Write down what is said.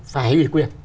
phải ủy quyền